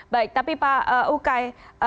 baik tapi pak ukay